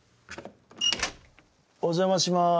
お邪魔します。